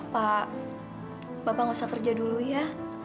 pak bapak nggak usah kerja dulu ya